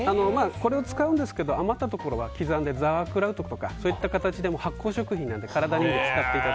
これを使うんですが余ったところは刻んで、ザワークラウトとかそういった形で発酵食品として。